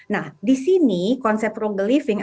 nah di sini konsep frugal living akan bisa diperlukan